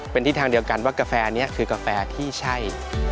เป็นที่ทางเดียวกันว่ากาแฟนี้คือกาแฟที่ใช่